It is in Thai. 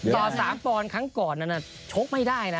ต่อสามปรอนครั้งก่อนะนะโชคไม่ได้นะ